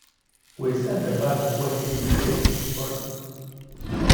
We sent a batch of wedding invitations this morning.